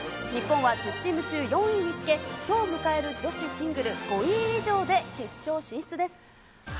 日本は１０チーム中４位につけ、きょう迎える女子シングル、５位以上で決勝進出です。